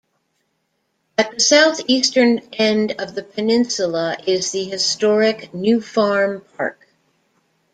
At the south-eastern end of the peninsula is the historic New Farm Park.